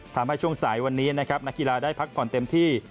ช่วงสายวันนี้นะครับนักกีฬาได้พักผ่อนเต็มที่